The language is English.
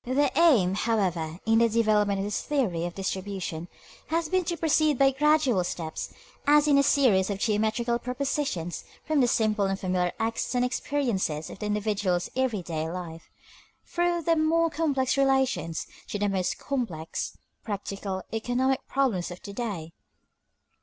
The aim, however, in the development of this theory of distribution, has been to proceed by gradual steps, as in a series of geometrical propositions, from the simple and familiar acts and experiences of the individual's every day life, through the more complex relations, to the most complex, practical, economic problems of the day.